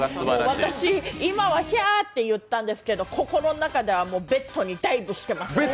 私、今はヒャーっと言ったんですが、心の中ではベッドにダイブしてます。